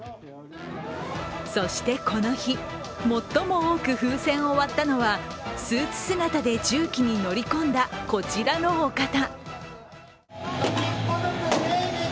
そしてこの日、最も多く風船を割ったのはスーツ姿で重機に乗り込んだこちらのお方。